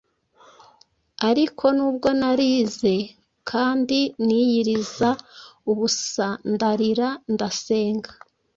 Ariko nubwo narize kandi niyiriza ubusandarira ndasenga